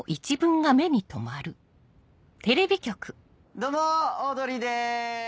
どうもオードリーです！